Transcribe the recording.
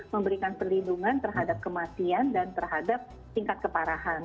memberikan perlindungan terhadap kematian dan terhadap tingkat keparahan